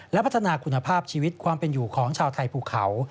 และพัฒนาคุณภาพชีวิตความเป็นอยู่ของชาวไทยภูเขา